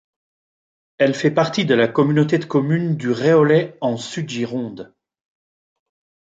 Elle fait partie de la communauté de communes du Réolais en Sud Gironde.